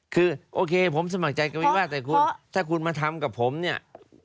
คือโอเคผมสมัครใจกับวิวาสแต่คุณมาทำกับผมเนี่ย